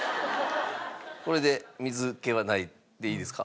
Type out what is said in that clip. これで水気はないでいいですか？